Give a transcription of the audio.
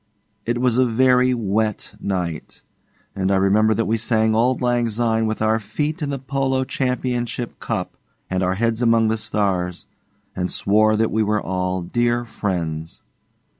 It was a very wet night, and I remember that we sang 'Auld Lang Syne' with our feet in the Polo Championship Cup, and our heads among the stars, and swore that we were all dear friends.